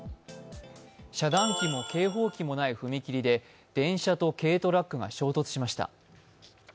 遮断機も警報機もない踏切で電車と軽トラックが衝突しました。